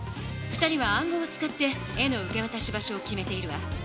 ２人は暗号を使って絵の受けわたし場所を決めているわ。